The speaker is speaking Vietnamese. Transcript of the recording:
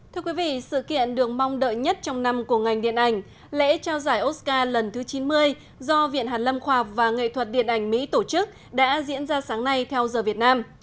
thưa quý vị sự kiện được mong đợi nhất trong năm của ngành điện ảnh lễ trao giải oscar lần thứ chín mươi do viện hàn lâm khoa học và nghệ thuật điện ảnh mỹ tổ chức đã diễn ra sáng nay theo giờ việt nam